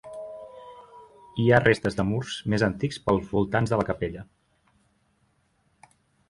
Hi ha restes de murs més antics pels voltants de la capella.